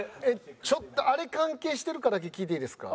ちょっとあれ関係してるかだけ聞いていいですか？